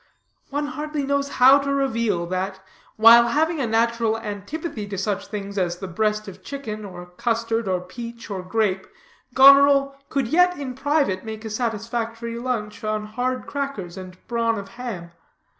One hardly knows how to reveal, that, while having a natural antipathy to such things as the breast of chicken, or custard, or peach, or grape, Goneril could yet in private make a satisfactory lunch on hard crackers and brawn of ham.